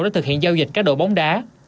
để thực hiện giao dịch cá đồ bóng đá